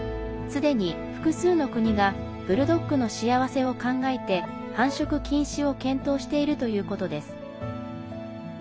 すでに複数の国がブルドッグの幸せを考えて繁殖禁止を検討しているということです。